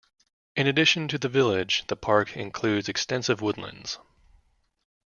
In addition to the village, the park includes extensive woodlands.